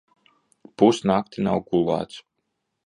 Pus nakti nav gulēts.